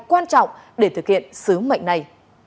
quan trọng để thực hiện sứ mệnh này